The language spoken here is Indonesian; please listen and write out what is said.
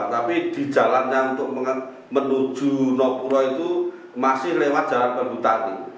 tapi di jalannya untuk menuju nopura itu masih lewat jalan berhutani